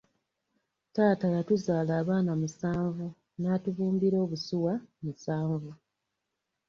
Taata yatuzaala abaana musanvu, n'atubumbira obusuwa musanvu.